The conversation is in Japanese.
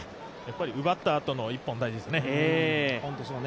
奪ったあとの一本、大事ですよね。